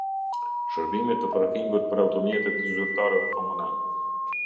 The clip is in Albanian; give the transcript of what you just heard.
Shërbime te parkingut për automjete te zyrtarëve komunal